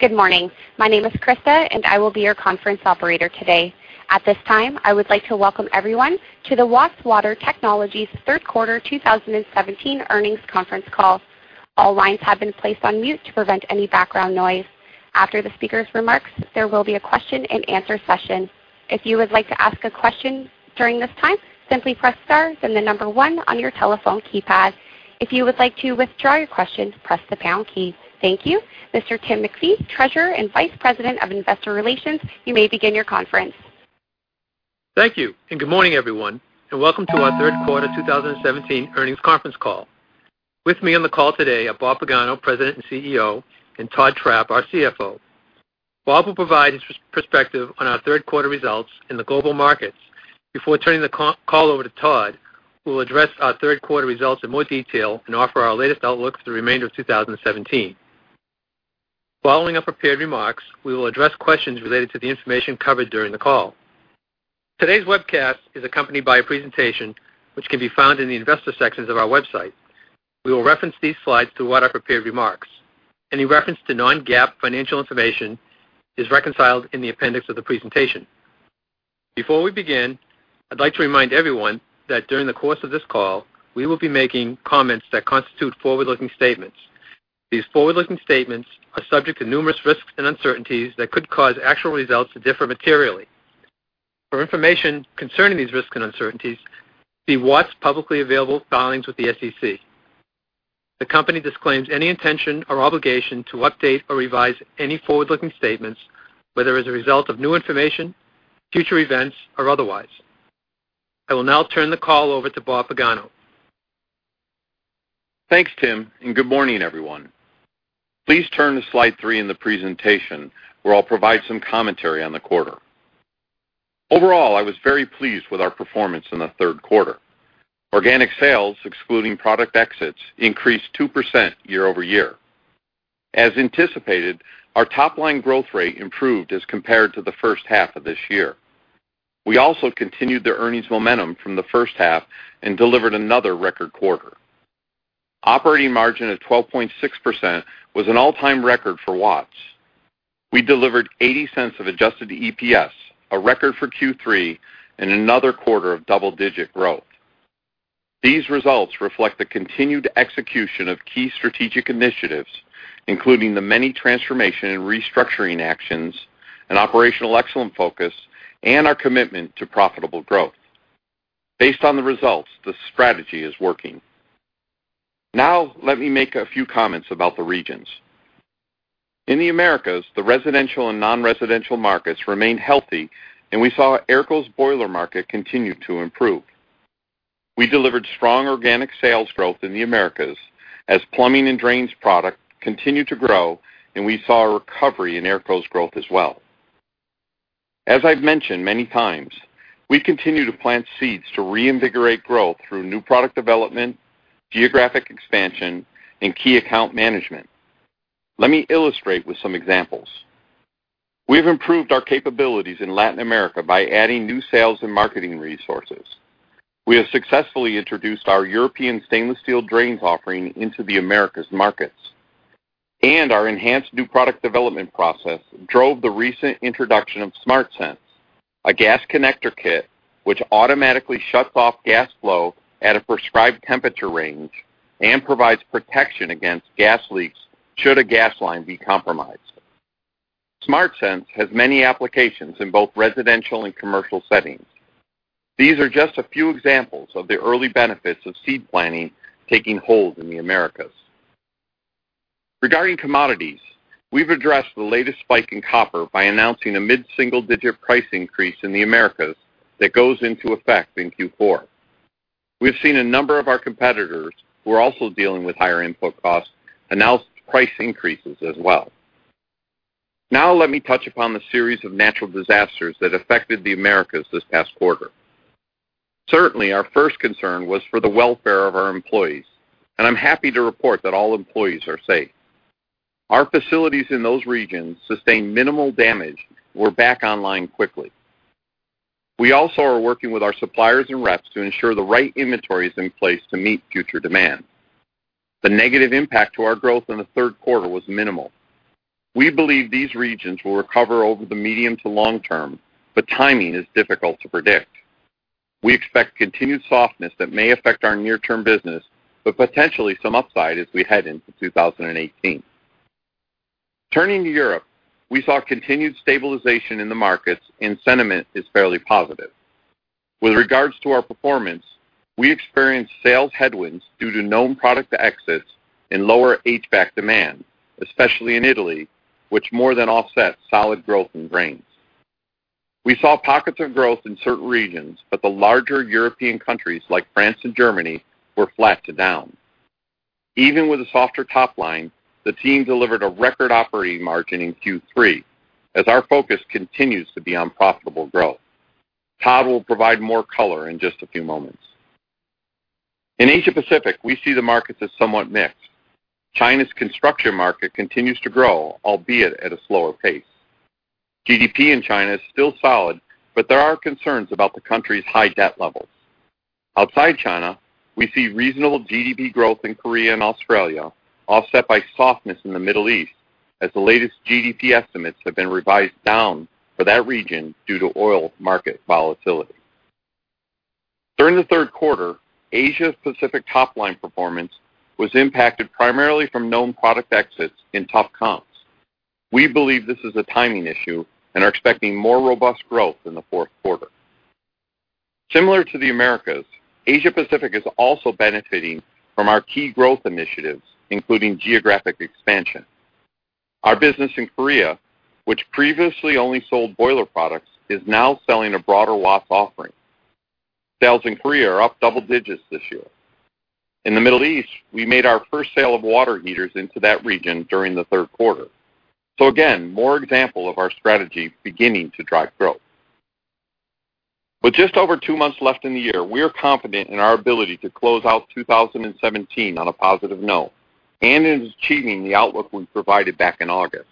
Good morning. My name is Krista, and I will be your conference operator today. At this time, I would like to welcome everyone to the Watts Water Technologies third quarter 2017 earnings conference call. All lines have been placed on mute to prevent any background noise. After the speaker's remarks, there will be a question-and-answer session. If you would like to ask a question during this time, simply press star, then the number one on your telephone keypad. If you would like to withdraw your question, press the pound key. Thank you. Mr. Tim MacPhee, Treasurer and Vice President of Investor Relations, you may begin your conference. Thank you, and good morning, everyone, and welcome to our third quarter 2017 earnings conference call. With me on the call today are Bob Pagano, President and CEO, and Todd Trapp, our CFO. Bob will provide his perspective on our third quarter results in the global markets. Before turning the call over to Todd, who will address our third quarter results in more detail and offer our latest outlook for the remainder of 2017. Following our prepared remarks, we will address questions related to the information covered during the call. Today's webcast is accompanied by a presentation which can be found in the Investor sections of our website. We will reference these slides throughout our prepared remarks. Any reference to non-GAAP financial information is reconciled in the appendix of the presentation. Before we begin, I'd like to remind everyone that during the course of this call, we will be making comments that constitute forward-looking statements. These forward-looking statements are subject to numerous risks and uncertainties that could cause actual results to differ materially. For information concerning these risks and uncertainties, see Watts' publicly available filings with the SEC. The company disclaims any intention or obligation to update or revise any forward-looking statements, whether as a result of new information, future events, or otherwise. I will now turn the call over to Bob Pagano. Thanks, Tim, and good morning, everyone. Please turn to slide 3 in the presentation, where I'll provide some commentary on the quarter. Overall, I was very pleased with our performance in the third quarter. Organic sales, excluding product exits, increased 2% year-over-year. As anticipated, our top line growth rate improved as compared to the first half of this year. We also continued the earnings momentum from the first half and delivered another record quarter. Operating margin of 12.6% was an all-time record for Watts. We delivered $0.80 of adjusted EPS, a record for Q3, and another quarter of double-digit growth. These results reflect the continued execution of key strategic initiatives, including the many transformation and restructuring actions, an operational excellence focus, and our commitment to profitable growth. Based on the results, the strategy is working. Now, let me make a few comments about the regions. In the Americas, the residential and non-residential markets remained healthy, and we saw AERCO boiler market continue to improve. We delivered strong organic sales growth in the Americas as plumbing and drains product continued to grow, and we saw a recovery in AERCO growth as well. As I've mentioned many times, we continue to plant seeds to reinvigorate growth through new product development, geographic expansion, and key account management. Let me illustrate with some examples. We've improved our capabilities in Latin America by adding new sales and marketing resources. We have successfully introduced our European stainless steel drains offering into the Americas markets, and our enhanced new product development process drove the recent introduction of SmartSense, a gas connector kit, which automatically shuts off gas flow at a prescribed temperature range and provides protection against gas leaks, should a gas line be compromised. SmartSense has many applications in both residential and commercial settings. These are just a few examples of the early benefits of seed planting taking hold in the Americas. Regarding commodities, we've addressed the latest spike in copper by announcing a mid-single-digit price increase in the Americas that goes into effect in Q4. We've seen a number of our competitors, who are also dealing with higher input costs, announce price increases as well. Now, let me touch upon the series of natural disasters that affected the Americas this past quarter. Certainly, our first concern was for the welfare of our employees, and I'm happy to report that all employees are safe. Our facilities in those regions sustained minimal damage and were back online quickly. We also are working with our suppliers and reps to ensure the right inventory is in place to meet future demand. The negative impact to our growth in the third quarter was minimal. We believe these regions will recover over the medium to long term, but timing is difficult to predict. We expect continued softness that may affect our near-term business, but potentially some upside as we head into 2018. Turning to Europe, we saw continued stabilization in the markets, and sentiment is fairly positive. With regards to our performance, we experienced sales headwinds due to known product exits and lower HVAC demand, especially in Italy, which more than offsets solid growth in drains. We saw pockets of growth in certain regions, but the larger European countries, like France and Germany, were flat to down. Even with a softer top line, the team delivered a record operating margin in Q3, as our focus continues to be on profitable growth. Todd will provide more color in just a few moments. In Asia Pacific, we see the markets as somewhat mixed. China's construction market continues to grow, albeit at a slower pace.... GDP in China is still solid, but there are concerns about the country's high debt levels. Outside China, we see reasonable GDP growth in Korea and Australia, offset by softness in the Middle East, as the latest GDP estimates have been revised down for that region due to oil market volatility. During the third quarter, Asia Pacific top line performance was impacted primarily from known product exits and tough comps. We believe this is a timing issue and are expecting more robust growth in the fourth quarter. Similar to the Americas, Asia Pacific is also benefiting from our key growth initiatives, including geographic expansion. Our business in Korea, which previously only sold boiler products, is now selling a broader Watts offering. Sales in Korea are up double digits this year. In the Middle East, we made our first sale of water heaters into that region during the third quarter. So again, more example of our strategy beginning to drive growth. With just over two months left in the year, we are confident in our ability to close out 2017 on a positive note and in achieving the outlook we provided back in August.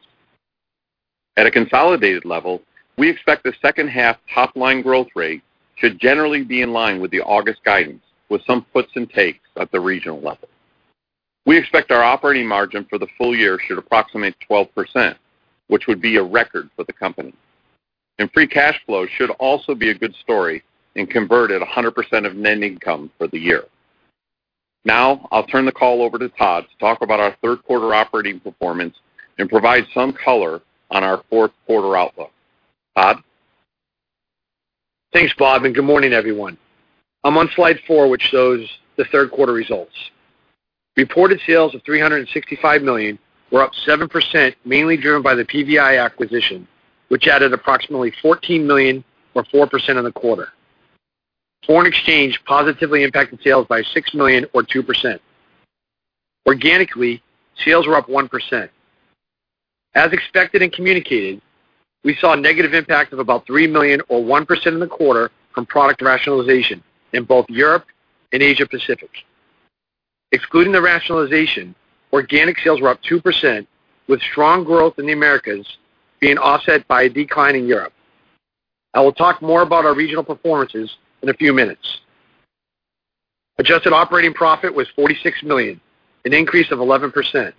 At a consolidated level, we expect the second half top line growth rate to generally be in line with the August guidance, with some puts and takes at the regional level. We expect our operating margin for the full year should approximate 12%, which would be a record for the company. Free cash flow should also be a good story and convert at 100% of net income for the year. Now, I'll turn the call over to Todd to talk about our third quarter operating performance and provide some color on our fourth quarter outlook. Todd? Thanks, Bob, and good morning, everyone. I'm on slide 4, which shows the third quarter results. Reported sales of $365 million were up 7%, mainly driven by the PVI acquisition, which added approximately $14 million, or 4% of the quarter. Foreign exchange positively impacted sales by $6 million, or 2%. Organically, sales were up 1%. As expected and communicated, we saw a negative impact of about $3 million, or 1% in the quarter, from product rationalization in both Europe and Asia Pacific. Excluding the rationalization, organic sales were up 2%, with strong growth in the Americas being offset by a decline in Europe. I will talk more about our regional performances in a few minutes. Adjusted operating profit was $46 million, an increase of 11%.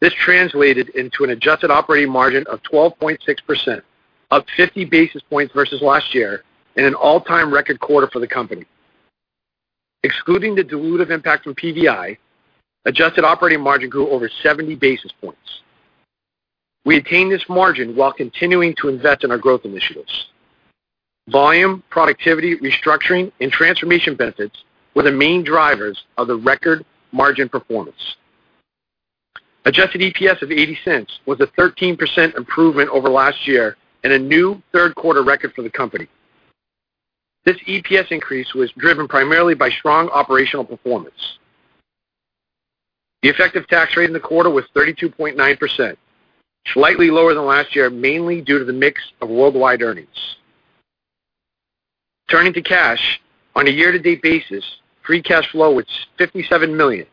This translated into an adjusted operating margin of 12.6%, up 50 basis points versus last year, and an all-time record quarter for the company. Excluding the dilutive impact from PVI, adjusted operating margin grew over 70 basis points. We attained this margin while continuing to invest in our growth initiatives. Volume, productivity, restructuring, and transformation benefits were the main drivers of the record margin performance. Adjusted EPS of $0.80 was a 13% improvement over last year and a new third quarter record for the company. This EPS increase was driven primarily by strong operational performance. The effective tax rate in the quarter was 32.9%, slightly lower than last year, mainly due to the mix of worldwide earnings. Turning to cash, on a year-to-date basis, free cash flow was $57 million.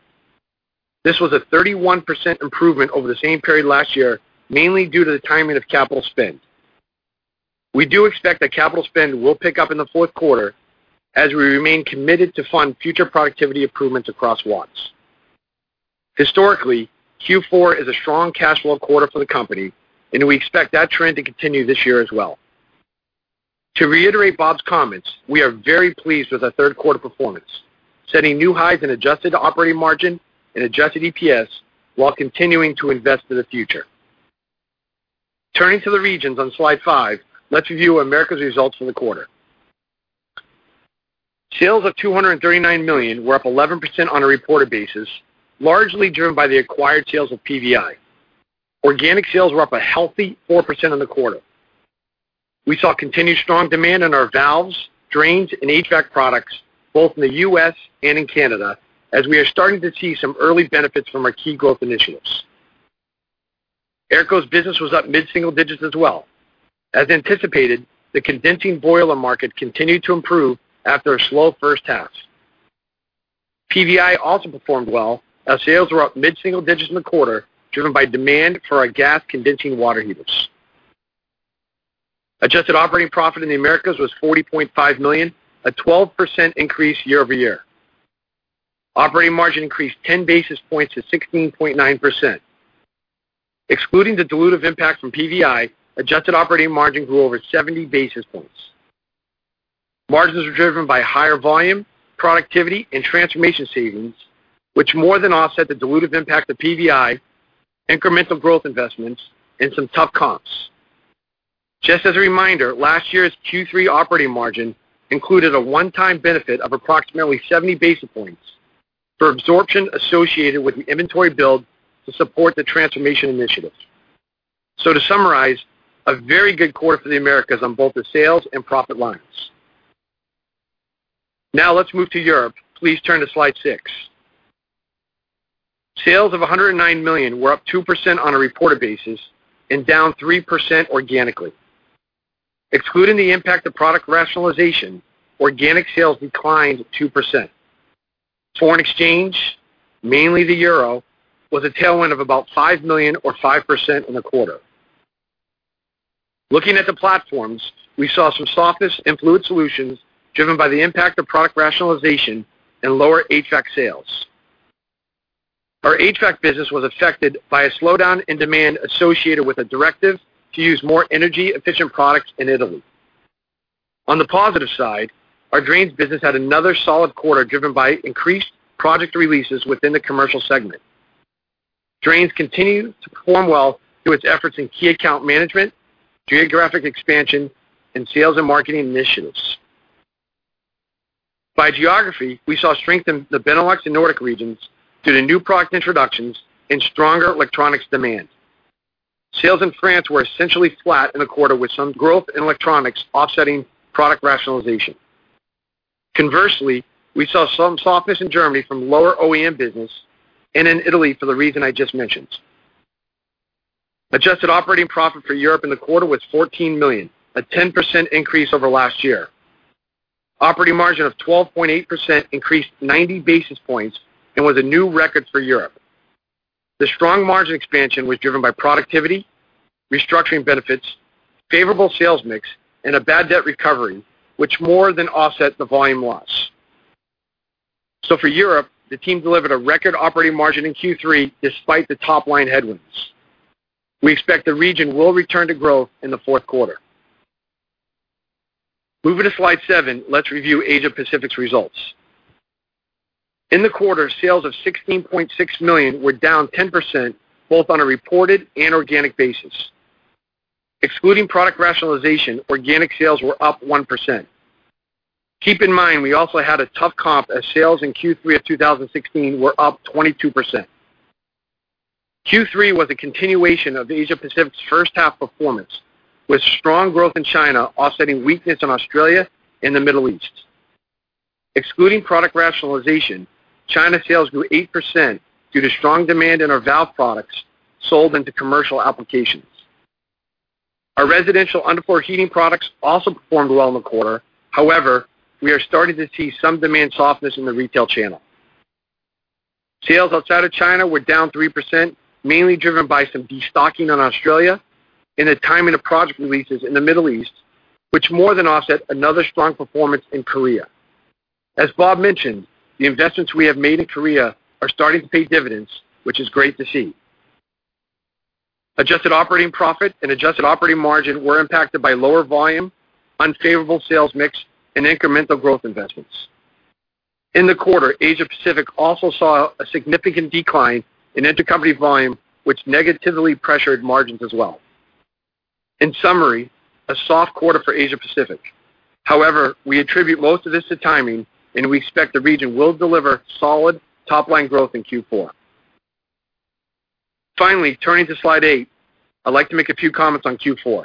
This was a 31% improvement over the same period last year, mainly due to the timing of capital spend. We do expect that capital spend will pick up in the fourth quarter as we remain committed to fund future productivity improvements across Watts. Historically, Q4 is a strong cash flow quarter for the company, and we expect that trend to continue this year as well. To reiterate Bob's comments, we are very pleased with our third quarter performance, setting new highs in adjusted operating margin and adjusted EPS while continuing to invest in the future. Turning to the regions on slide 5, let's review America's results for the quarter. Sales of $239 million were up 11% on a reported basis, largely driven by the acquired sales of PVI. Organic sales were up a healthy 4% in the quarter. We saw continued strong demand in our valves, drains, and HVAC products, both in the U.S. and in Canada, as we are starting to see some early benefits from our key growth initiatives. AERCO's business was up mid-single digits as well. As anticipated, the condensing boiler market continued to improve after a slow first half. PVI also performed well, as sales were up mid-single digits in the quarter, driven by demand for our gas condensing water heaters. Adjusted operating profit in the Americas was $40.5 million, a 12% increase year-over-year. Operating margin increased ten basis points to 16.9%. Excluding the dilutive impact from PVI, adjusted operating margin grew over 70 basis points. Margins were driven by higher volume, productivity, and transformation savings, which more than offset the dilutive impact of PVI, incremental growth investments, and some tough comps. Just as a reminder, last year's Q3 operating margin included a one-time benefit of approximately 70 basis points for absorption associated with an inventory build to support the transformation initiative. So to summarize, a very good quarter for the Americas on both the sales and profit lines. Now let's move to Europe. Please turn to slide 6. Sales of $109 million were up 2% on a reported basis and down 3% organically, excluding the impact of product rationalization, organic sales declined 2%. Foreign exchange, mainly the euro, was a tailwind of about $5 million or 5% in the quarter. Looking at the platforms, we saw some softness in fluid solutions, driven by the impact of product rationalization and lower HVAC sales. Our HVAC business was affected by a slowdown in demand associated with a directive to use more energy-efficient products in Italy. On the positive side, our drains business had another solid quarter, driven by increased product releases within the commercial segment. Drains continue to perform well through its efforts in key account management, geographic expansion, and sales and marketing initiatives. By geography, we saw strength in the Benelux and Nordic regions due to new product introductions and stronger electronics demand. Sales in France were essentially flat in the quarter, with some growth in electronics offsetting product rationalization. Conversely, we saw some softness in Germany from lower OEM business and in Italy for the reason I just mentioned. Adjusted operating profit for Europe in the quarter was $14 million, a 10% increase over last year. Operating margin of 12.8% increased 90 basis points and was a new record for Europe. The strong margin expansion was driven by productivity, restructuring benefits, favorable sales mix, and a bad debt recovery, which more than offset the volume loss. So for Europe, the team delivered a record operating margin in Q3 despite the top-line headwinds. We expect the region will return to growth in the fourth quarter. Moving to slide 7, let's review Asia Pacific's results. In the quarter, sales of $16.6 million were down 10%, both on a reported and organic basis. Excluding product rationalization, organic sales were up 1%. Keep in mind, we also had a tough comp as sales in Q3 of 2016 were up 22%. Q3 was a continuation of the Asia Pacific's first half performance, with strong growth in China offsetting weakness in Australia and the Middle East. Excluding product rationalization, China sales grew 8% due to strong demand in our valve products sold into commercial applications. Our residential underfloor heating products also performed well in the quarter. However, we are starting to see some demand softness in the retail channel. Sales outside of China were down 3%, mainly driven by some destocking on Australia and the timing of product releases in the Middle East, which more than offset another strong performance in Korea. As Bob mentioned, the investments we have made in Korea are starting to pay dividends, which is great to see. Adjusted operating profit and Adjusted operating margin were impacted by lower volume, unfavorable sales mix, and incremental growth investments. In the quarter, Asia Pacific also saw a significant decline in intercompany volume, which negatively pressured margins as well. In summary, a soft quarter for Asia Pacific. However, we attribute most of this to timing, and we expect the region will deliver solid top-line growth in Q4. Finally, turning to slide 8, I'd like to make a few comments on Q4.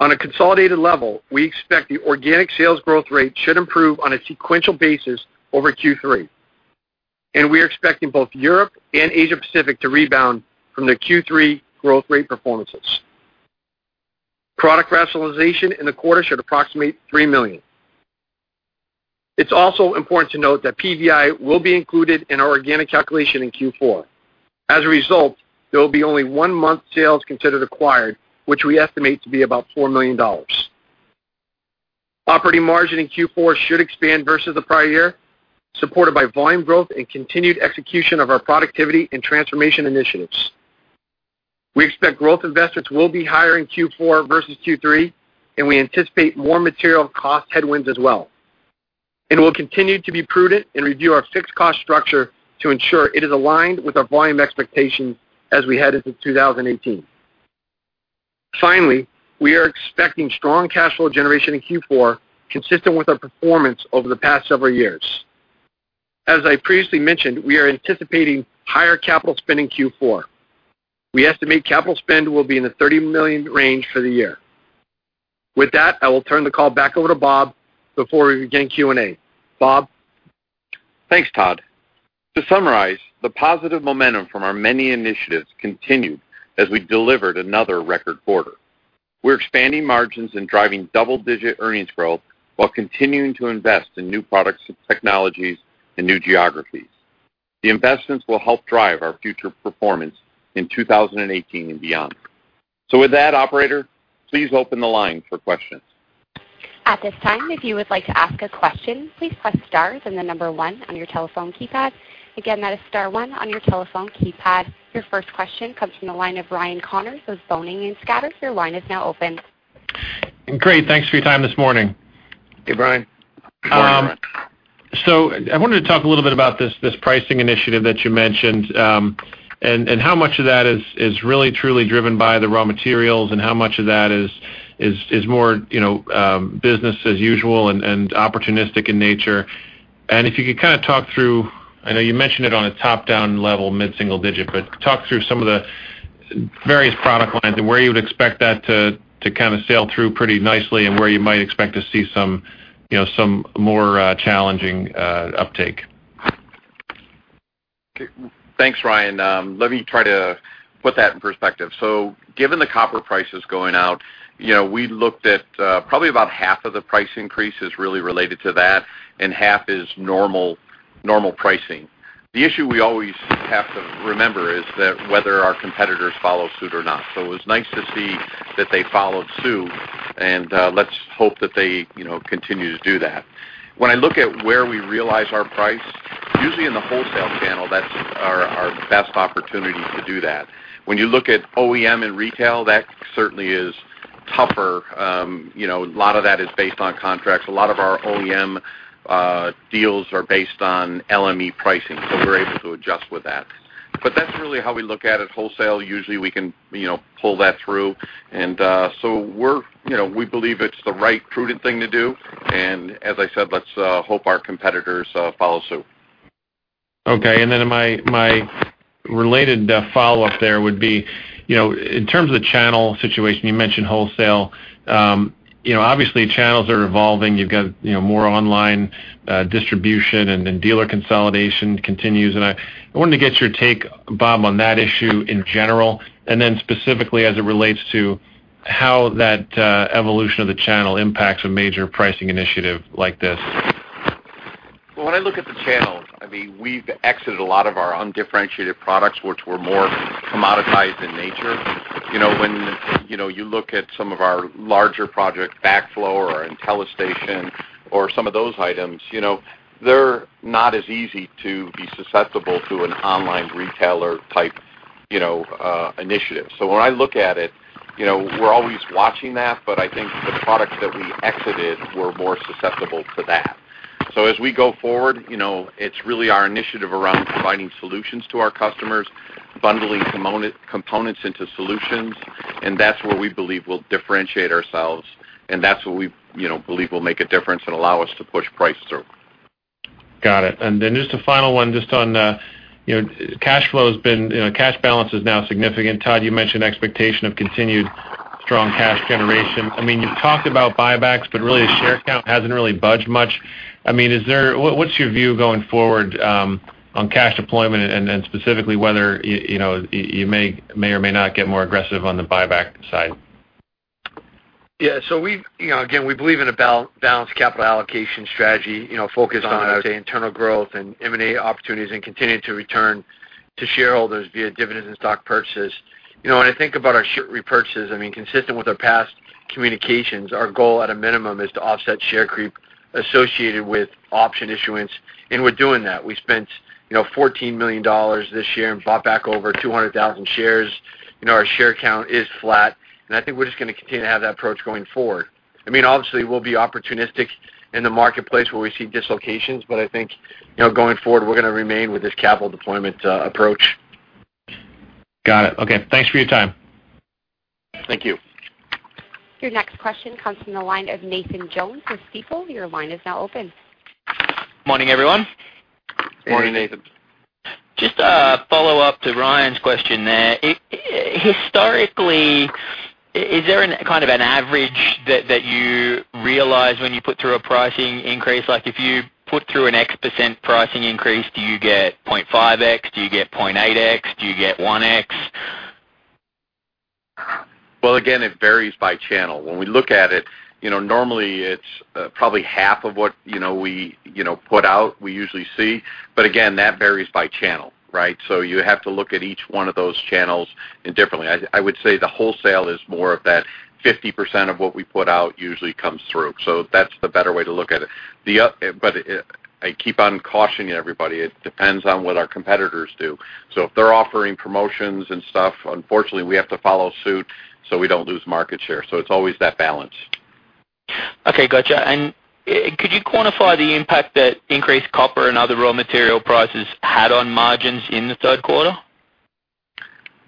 On a consolidated level, we expect the organic sales growth rate should improve on a sequential basis over Q3, and we are expecting both Europe and Asia Pacific to rebound from their Q3 growth rate performances. Product rationalization in the quarter should approximate $3 million. It's also important to note that PVI will be included in our organic calculation in Q4. As a result, there will be only one month sales considered acquired, which we estimate to be about $4 million. Operating margin in Q4 should expand versus the prior year, supported by volume growth and continued execution of our productivity and transformation initiatives. We expect growth investments will be higher in Q4 versus Q3, and we anticipate more material cost headwinds as well. We'll continue to be prudent and review our fixed cost structure to ensure it is aligned with our volume expectations as we head into 2018. Finally, we are expecting strong cash flow generation in Q4, consistent with our performance over the past several years. As I previously mentioned, we are anticipating higher capital spend in Q4. We estimate capital spend will be in the $30 million range for the year. With that, I will turn the call back over to Bob before we begin Q&A. Bob? Thanks, Todd. To summarize, the positive momentum from our many initiatives continued as we delivered another record quarter. We're expanding margins and driving double-digit earnings growth while continuing to invest in new products, technologies, and new geographies. The investments will help drive our future performance in 2018 and beyond. With that, operator, please open the line for questions. At this time, if you would like to ask a question, please press star then the number one on your telephone keypad. Again, that is star one on your telephone keypad. Your first question comes from the line of Ryan Connors with Boenning & Scattergood. Your line is now open. Great, thanks for your time this morning. Hey, Ryan. Good morning. So I wanted to talk a little bit about this, this pricing initiative that you mentioned, and, and how much of that is, is really, truly driven by the raw materials, and how much of that is, is, is more, you know, business as usual and, and opportunistic in nature? And if you could kind of talk through, I know you mentioned it on a top-down level, mid-single digit, but talk through some of the various product lines and where you would expect that to, to kind of sail through pretty nicely and where you might expect to see some, you know, some more, challenging, uptake.... Okay, thanks, Ryan. Let me try to put that in perspective. So given the copper prices going out, you know, we looked at, probably about half of the price increase is really related to that, and half is normal, normal pricing. The issue we always have to remember is that whether our competitors follow suit or not. So it was nice to see that they followed suit, and, let's hope that they, you know, continue to do that. When I look at where we realize our price, usually in the wholesale channel, that's our, our best opportunity to do that. When you look at OEM and retail, that certainly is tougher. You know, a lot of that is based on contracts. A lot of our OEM, deals are based on LME pricing, so we're able to adjust with that. But that's really how we look at it. Wholesale, usually, we can, you know, pull that through. And, so you know, we believe it's the right prudent thing to do, and as I said, let's hope our competitors follow suit. Okay, and then my related follow-up there would be, you know, in terms of channel situation, you mentioned wholesale. You know, obviously, channels are evolving. You've got, you know, more online distribution, and then dealer consolidation continues. And I wanted to get your take, Bob, on that issue in general, and then specifically, as it relates to how that evolution of the channel impacts a major pricing initiative like this. Well, when I look at the channels, I mean, we've exited a lot of our undifferentiated products, which were more commoditized in nature. You know, when, you know, you look at some of our larger project, backflow or IntelliStation or some of those items, you know, they're not as easy to be susceptible to an online retailer type, you know, initiative. So when I look at it, you know, we're always watching that, but I think the products that we exited were more susceptible to that. So as we go forward, you know, it's really our initiative around providing solutions to our customers, bundling common components into solutions, and that's where we believe we'll differentiate ourselves, and that's what we, you know, believe will make a difference and allow us to push price through. Got it. And then just a final one, just on, you know, cash flow has been, you know, cash balance is now significant. Todd, you mentioned expectation of continued strong cash generation. I mean, you've talked about buybacks, but really, the share count hasn't really budged much. I mean, is there... what's your view going forward, on cash deployment and, and specifically, whether you know, you may, may or may not get more aggressive on the buyback side? Yeah, so we've, you know, again, we believe in a balanced capital allocation strategy, you know, focused on, let's say, internal growth and M&A opportunities and continuing to return to shareholders via dividends and stock purchases. You know, when I think about our share repurchases, I mean, consistent with our past communications, our goal at a minimum is to offset share creep associated with option issuance, and we're doing that. We spent, you know, $14 million this year and bought back over 200,000 shares. You know, our share count is flat, and I think we're just gonna continue to have that approach going forward. I mean, obviously, we'll be opportunistic in the marketplace where we see dislocations, but I think, you know, going forward, we're gonna remain with this capital deployment approach. Got it. Okay, thanks for your time. Thank you. Your next question comes from the line of Nathan Jones from Stifel. Your line is now open. Morning, everyone. Morning, Nathan. Just a follow-up to Ryan's question there. Historically, is there an, kind of an average that, that you realize when you put through a pricing increase? Like, if you put through an X% pricing increase, do you get 0.5X? Do you get 0.8X? Do you get 1X? Well, again, it varies by channel. When we look at it, you know, normally it's probably half of what, you know, we, you know, put out, we usually see. But again, that varies by channel, right? So you have to look at each one of those channels differently. I would say the wholesale is more of that 50% of what we put out usually comes through. So that's the better way to look at it. The other, but I keep on cautioning everybody, it depends on what our competitors do. So if they're offering promotions and stuff, unfortunately, we have to follow suit, so we don't lose market share. So it's always that balance. Okay, gotcha. Could you quantify the impact that increased copper and other raw material prices had on margins in the third quarter?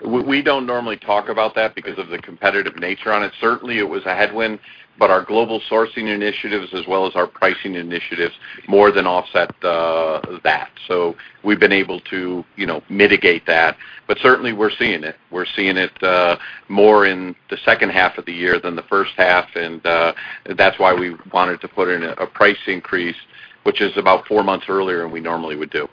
We, we don't normally talk about that because of the competitive nature on it. Certainly, it was a headwind, but our global sourcing initiatives, as well as our pricing initiatives, more than offset that. So we've been able to, you know, mitigate that, but certainly we're seeing it. We're seeing it more in the second half of the year than the first half, and that's why we wanted to put in a price increase, which is about four months earlier than we normally would do.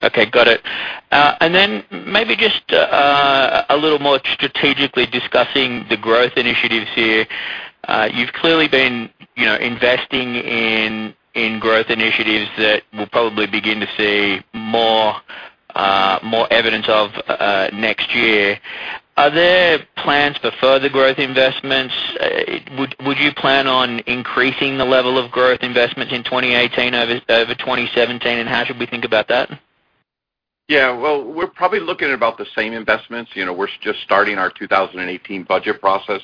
Okay, got it. And then maybe just a little more strategically discussing the growth initiatives here. You've clearly been, you know, investing in growth initiatives that we'll probably begin to see more evidence of next year. Are there plans for further growth investments? Would you plan on increasing the level of growth investments in 2018 over 2017, and how should we think about that? Yeah, well, we're probably looking at about the same investments. You know, we're just starting our 2018 budget process.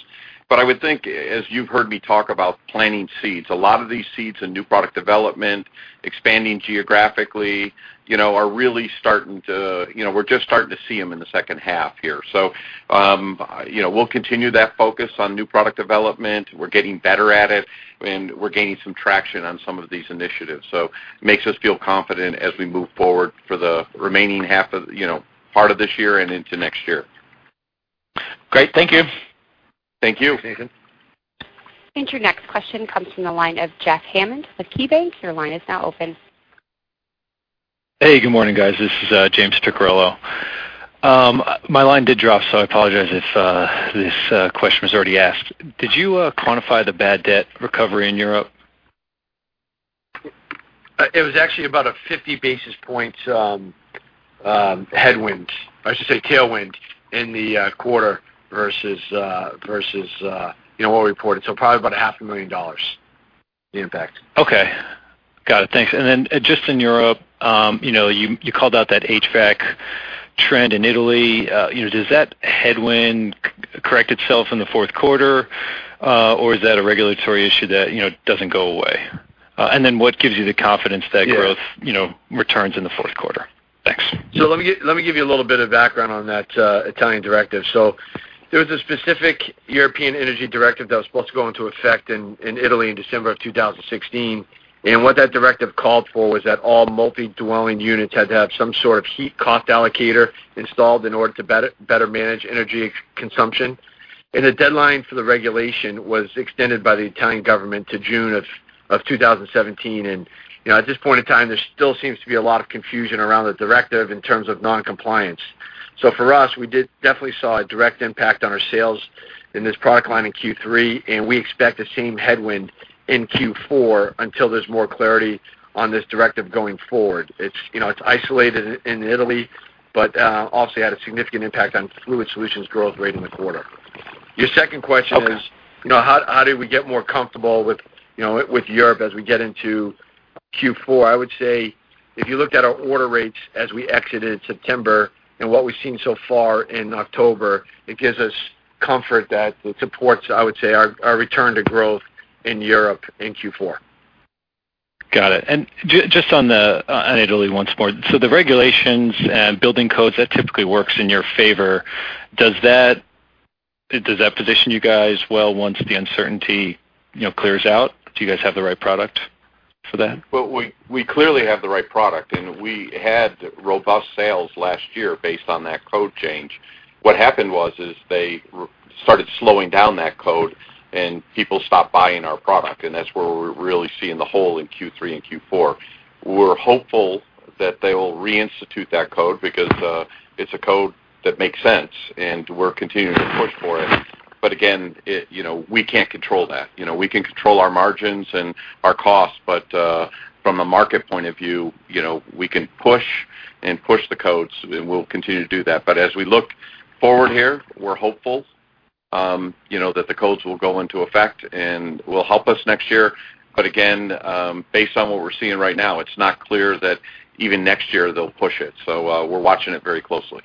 But I would think, as you've heard me talk about planting seeds, a lot of these seeds and new product development, expanding geographically, you know, are really starting to... You know, we're just starting to see them in the second half here. So, you know, we'll continue that focus on new product development. We're getting better at it, and we're gaining some traction on some of these initiatives. So it makes us feel confident as we move forward for the remaining half of, you know, part of this year and into next year.... Great. Thank you. Thank you, Nathan. Your next question comes from the line of Jeff Hammond with KeyBank. Your line is now open. Hey, good morning, guys. This is James Picariello. My line did drop, so I apologize if this question was already asked. Did you quantify the bad debt recovery in Europe? It was actually about 50 basis points, headwind, I should say, tailwind, in the quarter versus you know what we reported, so probably about $500,000, the impact. Okay. Got it. Thanks. And then just in Europe, you know, you called out that HVAC trend in Italy. You know, does that headwind correct itself in the fourth quarter, or is that a regulatory issue that, you know, doesn't go away? And then what gives you the confidence that- Yes... growth, you know, returns in the fourth quarter? Thanks. So let me give, let me give you a little bit of background on that, Italian directive. There was a specific European energy directive that was supposed to go into effect in Italy in December 2016, and what that directive called for was that all multi-dwelling units had to have some sort of heat cost allocator installed in order to better manage energy consumption. The deadline for the regulation was extended by the Italian government to June 2017. You know, at this point in time, there still seems to be a lot of confusion around the directive in terms of non-compliance. So for us, we did definitely saw a direct impact on our sales in this product line in Q3, and we expect the same headwind in Q4 until there's more clarity on this directive going forward. It's, you know, it's isolated in Italy, but obviously had a significant impact on fluid solutions growth rate in the quarter. Your second question is- Okay. You know, how, how do we get more comfortable with, you know, with Europe as we get into Q4? I would say, if you looked at our order rates as we exited September and what we've seen so far in October, it gives us comfort that it supports, I would say, our, our return to growth in Europe in Q4. Got it. And just on Italy once more. So the regulations and building codes, that typically works in your favor. Does that, does that position you guys well once the uncertainty, you know, clears out? Do you guys have the right product for that? Well, we clearly have the right product, and we had robust sales last year based on that code change. What happened was, is they started slowing down that code, and people stopped buying our product, and that's where we're really seeing the hole in Q3 and Q4. We're hopeful that they will reinstitute that code because it's a code that makes sense, and we're continuing to push for it. But again, it. You know, we can't control that. You know, we can control our margins and our costs, but from a market point of view, you know, we can push and push the codes, and we'll continue to do that. But as we look forward here, we're hopeful, you know, that the codes will go into effect and will help us next year. But again, based on what we're seeing right now, it's not clear that even next year they'll push it. So, we're watching it very closely.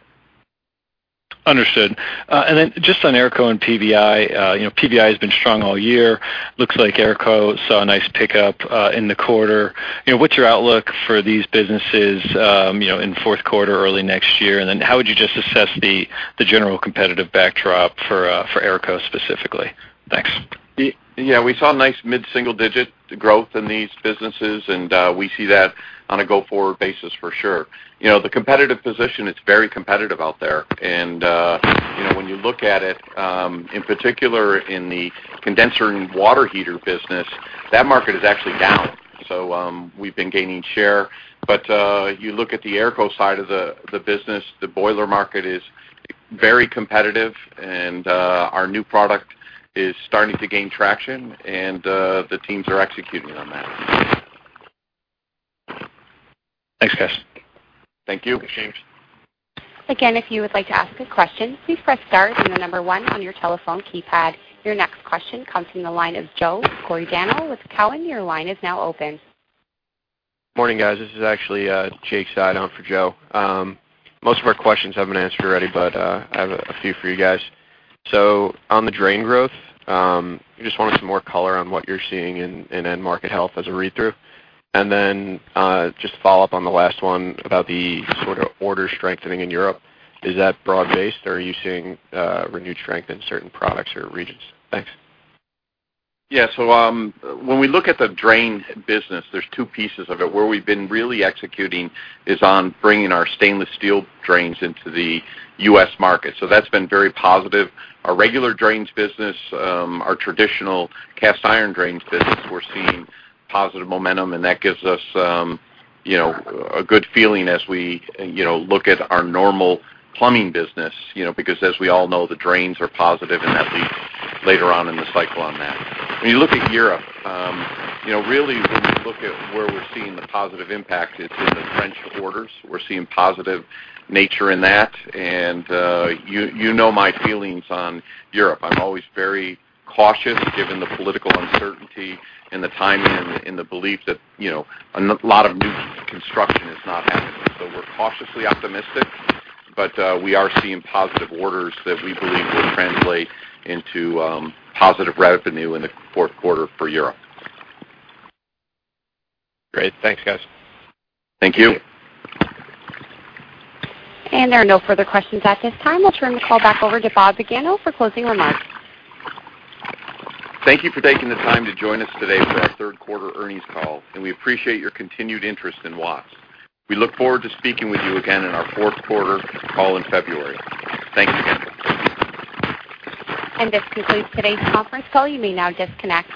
Understood. And then just on AERCO and PVI. You know, PVI has been strong all year. Looks like AERCO saw a nice pickup in the quarter. You know, what's your outlook for these businesses, you know, in fourth quarter, early next year? And then how would you just assess the general competitive backdrop for for AERCO specifically? Thanks. Yeah, we saw a nice mid-single-digit growth in these businesses, and we see that on a go-forward basis for sure. You know, the competitive position, it's very competitive out there. And you know, when you look at it, in particular, in the condenser and water heater business, that market is actually down. So, we've been gaining share. But you look at the AERCO side of the business, the boiler market is very competitive, and our new product is starting to gain traction, and the teams are executing on that. Thanks, guys. Thank you. Thanks, James. Again, if you would like to ask a question, please press star and the number one on your telephone keypad. Your next question comes from the line of Joe Giordano with Cowen. Your line is now open. Morning, guys. This is actually, Jake Slade on for Joe. Most of our questions have been answered already, but, I have a few for you guys. So on the drain growth, I just wanted some more color on what you're seeing in, in end market health as a read-through. And then, just to follow up on the last one about the sort of order strengthening in Europe, is that broad-based, or are you seeing, renewed strength in certain products or regions? Thanks. Yeah. So, when we look at the drain business, there's two pieces of it. Where we've been really executing is on bringing our stainless steel drains into the U.S. market. So that's been very positive. Our regular drains business, our traditional cast iron drains business, we're seeing positive momentum, and that gives us, you know, a good feeling as we, you know, look at our normal plumbing business, you know, because as we all know, the drains are positive, and that leads later on in the cycle on that. When you look at Europe, you know, really, when you look at where we're seeing the positive impact, it's in the French orders. We're seeing positive nature in that. And, you know my feelings on Europe. I'm always very cautious, given the political uncertainty and the timing and the belief that, you know, a lot of new construction is not happening. So we're cautiously optimistic, but we are seeing positive orders that we believe will translate into positive revenue in the fourth quarter for Europe. Great. Thanks, guys. Thank you. There are no further questions at this time. I'll turn the call back over to Bob Pagano for closing remarks. Thank you for taking the time to join us today for our third quarter earnings call, and we appreciate your continued interest in Watts. We look forward to speaking with you again in our fourth quarter call in February. Thanks again. This concludes today's conference call. You may now disconnect.